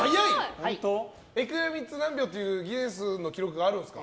エクレア３つ何秒というギネスの記録があるんですか。